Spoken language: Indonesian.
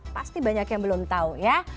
pasti banyak yang belum tahu ya